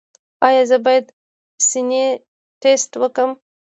ایا زه باید د سینې ټسټ وکړم؟